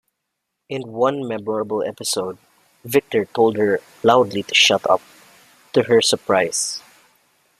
In one memorable episode Victor told her loudly to shut up, to her surprise.